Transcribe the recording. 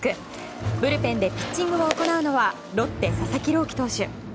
ブルペンでピッチングを行うのはロッテ、佐々木朗希投手。